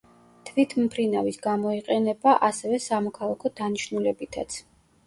თვითმფრინავის გამოიყენება ასევე სამოქალაქო დანიშნულებითაც.